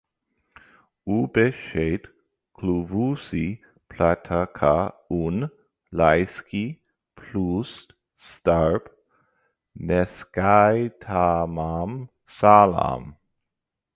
Upe šeit kļuvusi platāka un laiski plūst starp neskaitāmām salām.